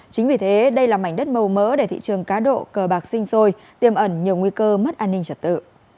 chính vì thế đây là mảnh đất màu mỡ để thị trường cá độ cờ bạc sinh sôi tiêm ẩn nhiều nguy cơ mất an ninh trật tự